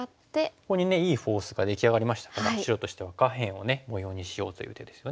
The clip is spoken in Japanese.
ここにいいフォースが出来上がりましたから白としては下辺を模様にしようという手ですよね。